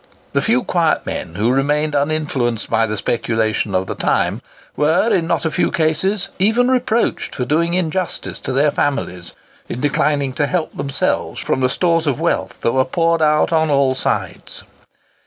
The few quiet men who remained uninfluenced by the speculation of the time were, in not a few cases, even reproached for doing injustice to their families, in declining to help themselves from the stores of wealth that were poured out on all sides.